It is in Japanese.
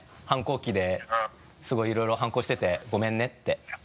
反抗期ですごいいろいろ反抗しててごめんねって。